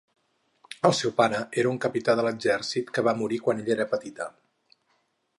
El seu pare era un capità de l'exèrcit que va morir quan ella era petita.